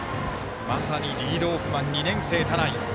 まさに、リードオフマン２年生の田内。